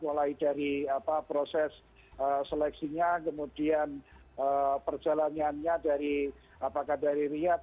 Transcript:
mulai dari proses seleksinya kemudian perjalanannya apakah dari riyad